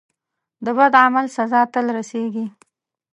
د بد عمل سزا تل رسیږي.